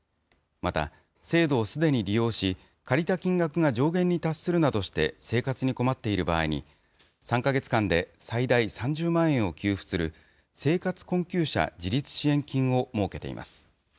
また、制度をすでに利用し、借りた金額が上限に達するなどして生活に困っている場合に、３か月間で最大３０万円を給付する、生活困窮者自立支援金を設けています。